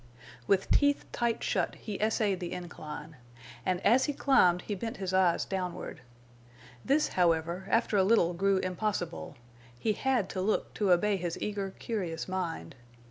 With teeth tight shut he essayed the incline. And as he climbed he bent his eyes downward. This, however, after a little grew impossible; he had to look to obey his eager, curious mind.